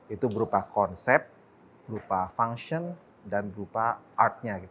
itu berupa konsep berupa function dan berupa art nya